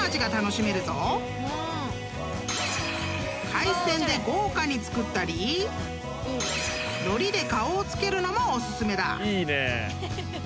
［海鮮で豪華に作ったりのりで顔を付けるのもお薦めだ］